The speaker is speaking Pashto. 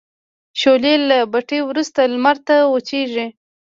شولې له بټۍ وروسته لمر ته وچیږي.